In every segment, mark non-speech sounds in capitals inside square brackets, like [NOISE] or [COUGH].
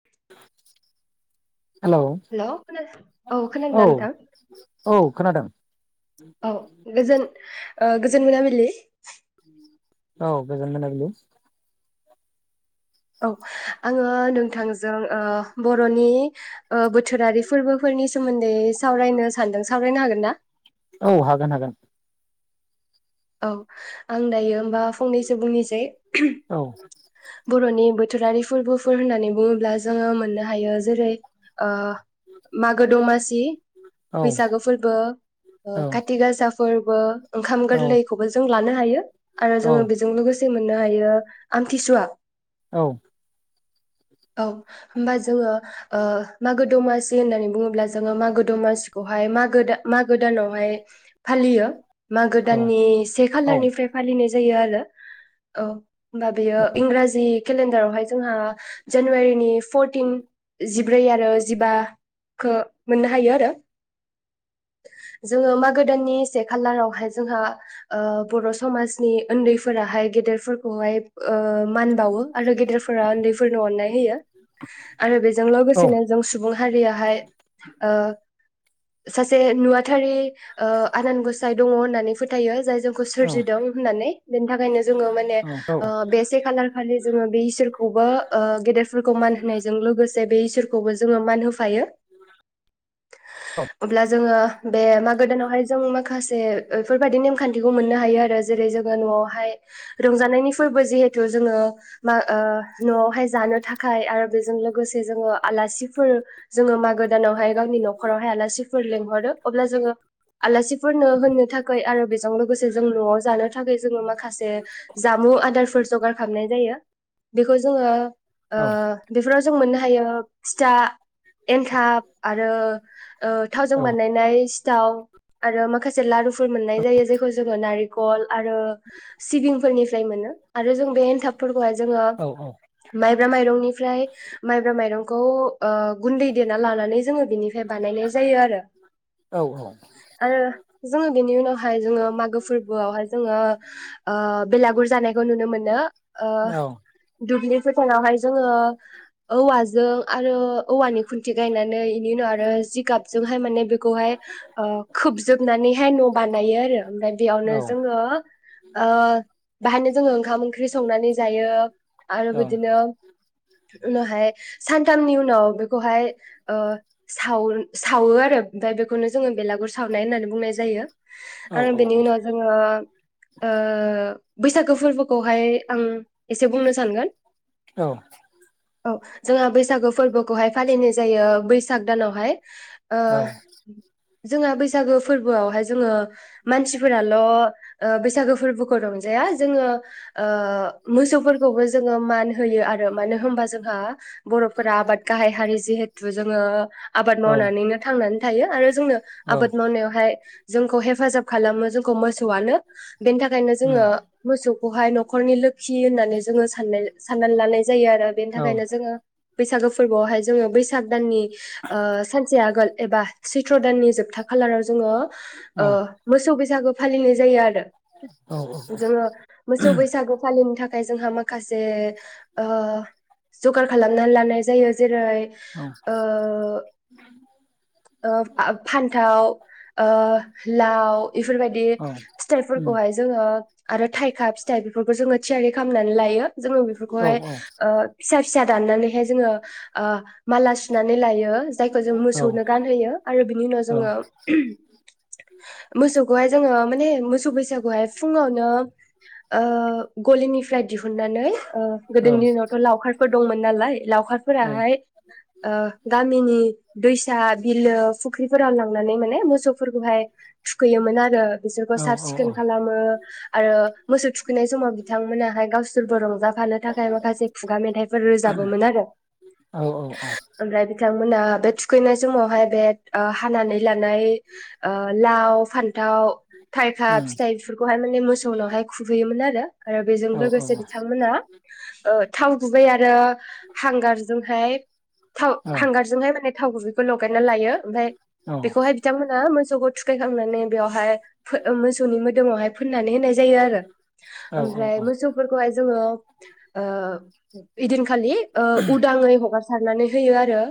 [INAUDIBLE] Hello खोनादों औ खोनादोंदा नोंथां औ खोनादों औ गोजोन गोजोन मोनाबिलि औ गोजोन मोनाबिलि औ आङो ओ नोंथांजों जों ओ बर'नि बोथोरारि फोरबोफोरनि सोमोन्दै सावरायनो सानदों सावरायनो हागोन ना औ हागोन हागोन औ आं दायो होमबा फंनैसो बुंनोसै [UNINTELLIGIBLE] औ बर'नि बोथोरारि फोरबोफोर होननानै बुङोब्ला जोङो मोननो हायो जेरै ओ मागो दमासि औ बैसागो फोरबो औ खाथि गासा फोरबो ओंखाम औ गोरलै खौबो जों लानो हायो आरो औ जोङो बेजों लोगोसे जों मोननो हायो आमथिसुवा औ औ होमबा जोङो ओ मागो दमासि होननानै बुङोब्ला जोङो मागो दमासिखौहाय मागो मागो दानावहाय फालियो मागो औ दाननि से औ खालारनिफ्राय फालियो नाय जायो आरो औ होमबा बेयो इंराजि केलेन्डारावहाय जोंहा जानुवारिनि फरटिन जिब्रै आरो जिबाखौ मोननो हायो आरो जोङो मागो दाननि से खालारावहाय जोंहा ओ बर' समाजनि उन्दैफोराहाय गेदेरफोरखौहाय मान बावो आरो गेदेरफोरा उन्दैफोरनो अननाय होयो आरो बेजों औ औ लोगोसेनो जों सुबुं हारियाहाय ओ सासे नुवाथारि ओ आनान गसाइ दङ होननानै फोथायो जाय जोंखौ सोरजिदों होननानै बेनि थाखायनो जोङो माने बे से खालार खालि जोङो बे इसोरखौबो गेदेरफोरखौ मान होनायजों लोगोसे जे बे इसोरखौबो जोङो मान होफायो औ अब्ला जोङो बे मागो दानावहाय जों माखासे बेफोरबायाददि नेमखान्थिखौ मोननो हायो आरो जेरै जोङो न'आवहाय रंजानायनि फोरबो जिहेथु जोङो मा ओ न'आवहाय जानो थाखाय आरो बेजों लोगोसे जोङो आलासिफोर जोङो मागो दानावहाय गावनि न'खरावहाय आलासि फोर लेंहरो ओ बिफोर जों मोननो हायो फिथा एन्थाब आरो ओ जों औ बानायनाय सिथाव आरो माखासे लारु बो मोननाय जायो जायखौ जोङो नारें नारेकल आरो सिबिं फोरनिफ्राय मोनो आरो जों बे एनथाबफोरखौ हाय जोंङो माय माइब्रा माइरंनिफ्राय माइब्रा माइरंखौ ओ गुन्दै देना लानानै जोङो बिनिफ्राय बानायनाय जायो आरो औ आरो जोङो बेनि उनाव हाय जोङो मागो फोरबोआवहाय जोङो ओ बेलागुर जानायखौ नुनो मोनो ओ दुब्लि फोथारावहाय जोङो औवाजों आरो औवानि खुन्थि गायनानै बेनि उनाव आरो जिगाब जोंहाय माने बेखौहाय ओ खोबजोबनानैहाय न बानायो आरो ओमफ्राय बेयावनो जोङो ओ बेहायनो जोङो ओखाम ओंख्रि संनानै जायो आरो बिदिनो उनावहाय सानथामनि उनाव बेखौहाय ओ साव सावो आरो ओमफ्राय बेखौनो जोङो बेलागुर सावनाय होननानै बुंनाय जायो आरो बेनि उनाव जोङो ओ बैसागो फोरबोखौहाय आं एसे बुंनो सानगोन औ औ जोंहा बैसागो फोरबोखौहाय फालिनाय जायो बैसाग दानावहाय। ओ जोंहा बैसागो फोरबोआवहाय जोङो मानसिफोराल' बैसागो फोरबोखौ रंजाया जोङो ओ मोसौफोरखौबो जोङो मान होयो आरो मानो होनबा जोंहा बर'फोरा आबाद गाहाय हारि जिहेथु जोङो आबाद मावनानैनो थां नानै थायो आरो जोंनो आबाद मावनायावहाय जोंखौ हेफाजाब खालामो जोंखौ मोसौआनो। बेनि थाखायनो जोङो उम मोसौ खौहाय न'खरनि लोखि होननानै जोङो साननाय साननानै लानाय जायो आरो बेनि औ थाखायनो जोङो बैसागो फोरबोआवहाय जोङो बैसाग दाननि ओ सानसे आगोल एबा सैथ्र' दाननि जोबथा खालाराव जोङो औ ओ मोसौ बैसा सागो फालिनाय जायो आरो। औ जोङो मोसौ बैसागो फालिनो थाख खाय जोंहा माखासे जगार खालामनानै लानाय जायो जे रै ओ ओ फा-फान्थाव ओ ओ लाउ इफोरबायदि उम फिथाइफोरखौहाय जोङो आरो थाइखा फिथाइ बेफोरखौ जोङो थियारि खालामनानै लायो। जोङो औ औ बेफोरखौहाय औ ओ फिसा फिसा दाननानैहाय जोङो ओ माला सुनानै लायो। जायखौ जों औ मोसौनो गानहोयो आरो बिनि उनाव जोङो मोसौखौहाय जोङो माने मोसौ बैसागुवावहाय फुङावनो ओ गलिनिफ्राय दिहुननानै औ गोदोनि उम दिनावथ' लावखारफोर दंमोन नालाय औ औ लावखारफोराहाय ओ गामिनि दैसा, बिलो, फुख्रिफोराव लां नानै माने मोसौफोरखौहाय थुखैयोमोन आरो बिसोरखौ साफ सिखोन खालामो आरो मोसौ थु खैनाय समाव बिथांमोनाहाय गावसोरबो रंजाफानो थाखाय माखासे खुगा मेथाइफोर रोजाबोमोन आरो। आमफ्राय बिथां मोनहा बे थुखैनाय समावहाय बे आ हानानै लानाय लाव फान थाव, थाइखा फिथाइ बेफोरखौहाय माने मोसौनावहाय खुबैयोमोन आरो। आरो बेजों लोगोसे बिथांमोना ओ थावगुबै आरो हांगारजोंहाय [INAUDIBLE] थाव हांगारजोंहाय माने थाव गुबैखौ लगायना लायो। ओमफ्राय बेखौहाय बिथांमोना मोसौ सौखौ थुखैखांनानै बेवहाय मोसौनि मोदोमावहाय फोननानै होनाय जायो आरो ओमफ्रायो मोसौफोरखौहाय जोङो ओ इदिन खालि ओ उदाङै हगार सारनानै होयो आर रो।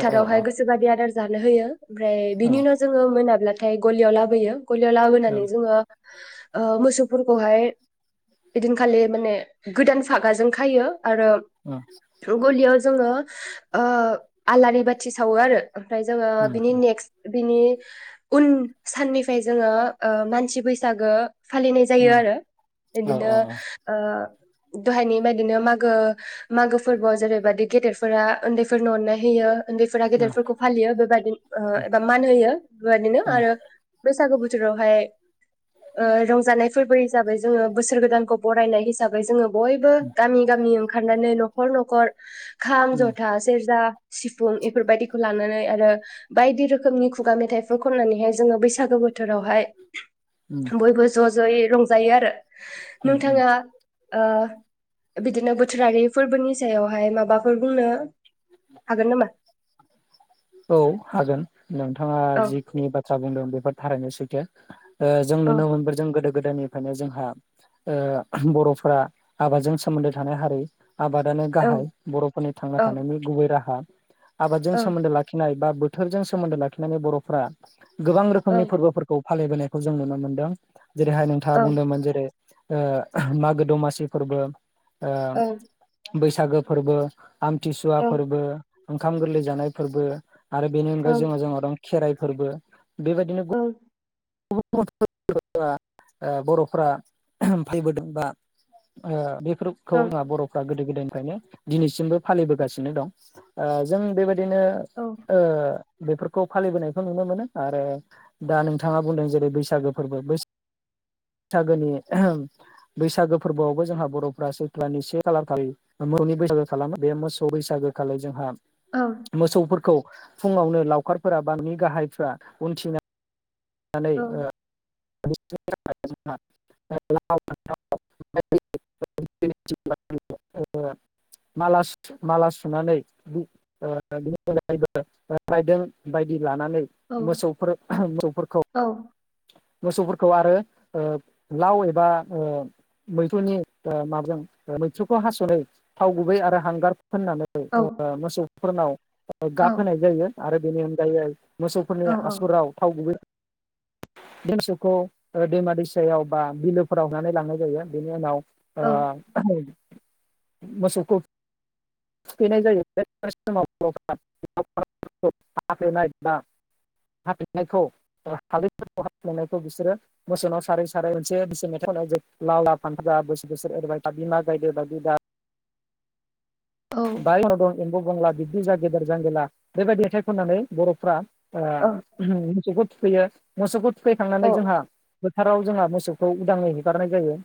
औ औ औ गोसोबादि आदार जानो होयो। ओमफ्राय औ बिनि उनाव जोङो मोनाब्ला थाय गलियाव लाबोयो। गलियाव लाबोनानै जोङो ओ मोसौफोरखौहाय इदिनखालि माने गोदान फागाजों खायो। आरो गलियाव जोङो ओ आलारि बाथि सावो आरो। ओमफ्राय जोङो औ बिनि नेक्स्ट बिनि उन साननिफ्राय जोङो ओ मानसि बैसागो फालिनाय जायो आरो। औ बिदिनो ओ दहायनि बायदिनो मागो मागो फोरबोआव जेरैबायदि गेदेरफोरा उन्दैफोरनो अननाय होयो उन्दैफोरा गेदेरफोरखौ फालियो बेबायदिनो ओ एबा मान होयो बेबायदिनो आरो बैसागु बो बोथोरावहाय ओ रंजानायफोरबो हिसाबै जोङो बोसोर गोदानखौ बरायनाय हिसाबै जोङो बयबो गामि गामि ओंखारनानै न'खर न'खर खाम जथा सेरजा सिफुं बेफोरबायदिखौ लानानै आरो बायदि रोखोमनि खुगा मेथाइफोर खननानैहाय जोङो बैसागो बो बोथोरावहाय बयबो ज' ज'यै रं जायो आरो नोंथाङा ओ बिदिनो बोथोरारि फोरबोनि सायावहाय माबाफोर बुंनो हागोन नामा औ हागोन नोंथाङा औ जिखिनि बाथ्रा बुंदों बेफोर थारैनो सैथो थो ओ जों औ नुनो मोनबो जों गोदो गोदायनि फायनो जोंहा ओ बर'फोरा आबादजों सोमोन्दो थानाय हारि आबादानो औ गाहाय बर'फोरनि थांना औ थानायनि गुबै राहा आबादजों औ सोमोन्दो लाखि बा बोथोरजों सोमोन्दो लाखिनानै बर'फोरा गोबां औ रोखोमनि फोरबोफोरखौ फालिबोनायखौ जों नुनो मोनदों जेरैहाय नोंथाङा औ बुंदोंमोन जेरै ओ मागो दमासि फोरबो ओ बैसागो फोरबो आमथिसुवा औ फोरबो ओंखाम गोरलै जानाय फोरबो आरो बेनि अनगायै जोंङो जोंहा दं खेराइ फोरबो बेबायदिनो औ [UNINTELLIGIBLE] बर'फोरा फैबोदों बा ओ बे [UNINTELLIGIBLE] बर'फ्रा गोदो गोदाय माने दिनैसिमबो फालिबोासिनो दं ओ जों बेबा बिदिनो ओ बेफोरखौ फालिबोनायखौ नुनो मोनो आरो दा नों थाङा बुंदों जेरै बैसागो फोरबो बैसाग सागोनि बैसागो फोरबोआवबो जोंहा बर'फ्रा सैख्लानि से खालार खालि मोसौनि बैसागो खालामो। बे मोसौ बैसागो खालि जोंहा औ मोसौफोरखौ फुङावनो लावखारफोरा बा न'नि गाहायफ्रा उनथिना नानै औ ओ [UNINTELLIGIBLE] माला सु माला सुनानै [UNINTELLIGIBLE] राइदों बायदि लानानै औ मोसौफोर मोसौफोर औ। मोसौफोरखौ आरो ओ लाव एबा ओ मैथ्रुनि माबाजों मैथ्रुखौ हास'नो थाव गुबै आरो हांगार फोननानै औ ओ मोसौ फोरनाव औ गाब होनाय जायो। आरो बिनि अनगायै मोसौफोरनि औ आसुगुराव थाव गुबै देंसोखौ ओ दैमा दैसायाव बा बिलोफोराव होनानै लांनाय जायो बेनि उनाव औ ओ मोसौखौ सुफैनाय जायो बे हाफ्लेनाय बानायखौ हैफोरखौ ह्लेनायखौ बिसोरो मोसौाव सारै साराय मोनसे बिस मेथाइ खनाय ज लाावला फानथा बोसोर बोसोर एओरबाय दा बिमा गायद बिदा [INAUDIBLE] [INAUDIBLE] [UNINTELLIGIBLE] औ बाय म दं एम्बु बंला बिब्दि जा गेदेर जांगिला बेबायदि मेथाइ खननानै बर'फ्रा ओ होम फैयो मुसुगुद फैखांनानै औ जोंहा फोथार औ जोंहा मोसौखौ उदाङै हेगारनाय जायो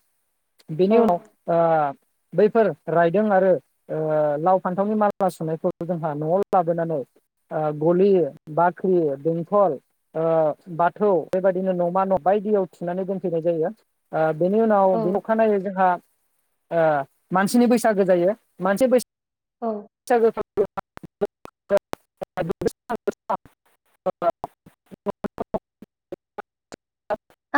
बिनि औ उनाव ओ बैफोर रायदों आरो ओ लाव फान्थावनि माला सुनायखौ जोंहा न'वाव लाबोनानै ओ गलि बाख्रि बेंथल बाथौ बेबायदिनो न'मा न' बायदियाव थुनानै दोनफैनाय जायो ओ बेनि उनाव बेनि औ अखानायै जोंहा ओ मानसिनि बैसागो जायो मानसि बैसा [UNINTELLIGIBLE] [INAUDIBLE]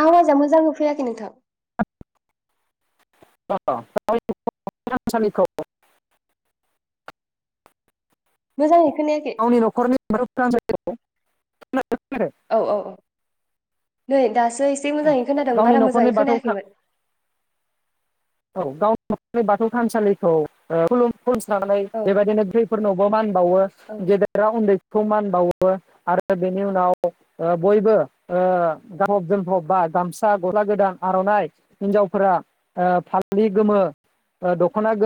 आवाजा मोजांङै फैयाखै नोंथां [UNINTELLIGIBLE] थानसालिखौ मोजाङै खोनायाखै गावनि न'खरनि [UNINTELLIGIBLE] म [UNINTELLIGIBLE] औ औ औ नै दासो एसे मोजाङै खोनादों गावनि बारा न'खरनि मोजाङै बाथौ था खोनायाखैमोन औ गावनि बाथौ थानसालिखौ ओ खुुलुम सनस्रानानै औ बेबायदिनो दैफोरनावबो मान बावो औ गेदेरा उन्दै खौ मान बावो आरो बेनि उनाव ओ बयबो ओ गानफब जोमफब बा गामसा गला गोदान आर'नाइ हिनजावफोरा ओ जि गोमो दख'ना गो